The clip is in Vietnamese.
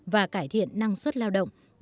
và cải thiện năng suất của các doanh nghiệp lớn